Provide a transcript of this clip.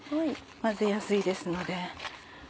混ぜやすいですので。